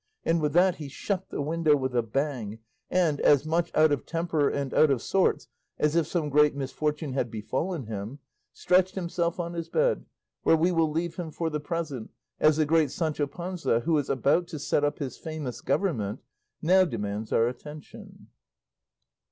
And with that he shut the window with a bang, and, as much out of temper and out of sorts as if some great misfortune had befallen him, stretched himself on his bed, where we will leave him for the present, as the great Sancho Panza, who is about to set up his famous government, now demands our attention.